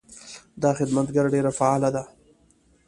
دا خدمتګر ډېر فعاله ده.